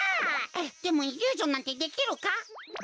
でもイリュージョンなんてできるか？